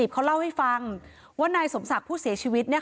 เขาเล่าให้ฟังว่านายสมศักดิ์ผู้เสียชีวิต